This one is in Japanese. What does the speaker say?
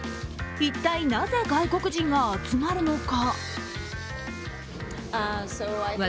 一体なぜ外国人が集まるのか？